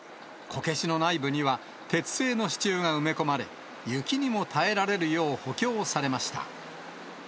こけしの内部には、鉄製の支柱が埋め込まれ、雪にも耐えられるよう補強されました。